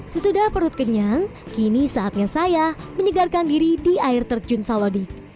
sesudah perut kenyang kini saatnya saya menyegarkan diri di air terjun salodik